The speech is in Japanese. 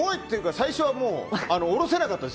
最初は、下ろせなかったです。